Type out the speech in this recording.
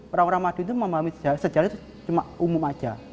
orang orang madiun itu memahami sejarah itu cuma umum aja